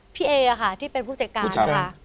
พี่เอค่ะที่เป็นผู้จัดการนะคะ